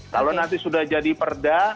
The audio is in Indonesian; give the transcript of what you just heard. kalau nanti sudah jadi perda